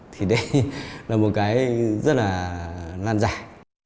thì đây là một cái rất là lan giải